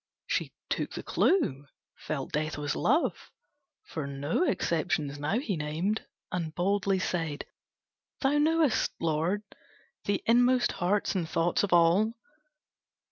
She took the clue, felt Death was Love, For no exceptions now he named, And boldly said, "Thou knowest, Lord, The inmost hearts and thoughts of all!